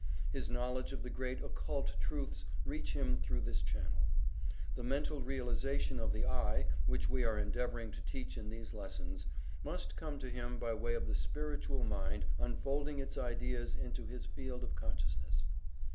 His knowledge of the great occult truths reach him through this channel. The mental realization of the "I," which we are endeavoring to teach in these lessons, must come to him by way of the Spiritual Mind unfolding its ideas into his field of consciousness.